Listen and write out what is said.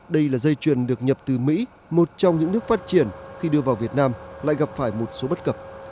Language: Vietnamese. đây là dây chuyền được nhập từ mỹ một trong những nước phát triển khi đưa vào việt nam lại gặp phải một số bất cập